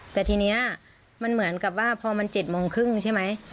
แต่ทีนี้มันเหมือนกับว่าพอมัน๗โมงครึ่งใช่ไหม